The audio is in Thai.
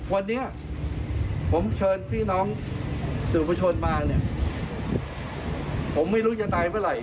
วันนี้ผมเชิญพี่น้องสื่อประชนมาเนี่ยผมไม่รู้จะตายเมื่อไหร่